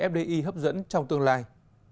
fdi hấp dẫn trong tương lai